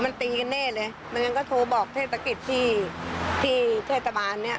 โถ่มันเป็นเองเลยงั้นก็โทรบอกเทศกิจที่เทศบาล